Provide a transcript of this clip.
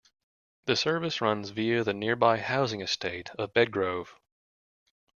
The service runs via the nearby housing estate of Bedgrove.